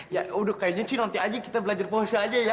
ya udah kayaknya sih nanti aja kita belajar pose aja ya